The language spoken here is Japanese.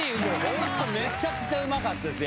ホントめちゃくちゃうまかったです